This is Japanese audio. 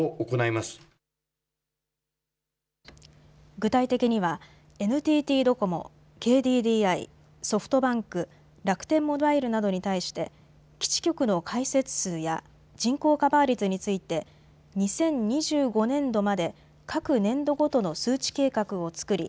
具体的にはＮＴＴドコモ、ＫＤＤＩ、ソフトバンク、楽天モバイルなどに対して基地局の開設数や人口カバー率について２０２５年度まで各年度ごとの数値計画を作り